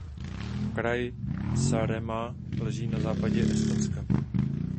Kraj Saaremaa leží na západě Estonska.